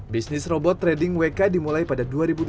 bisnis robot trading wk dimulai pada dua ribu dua puluh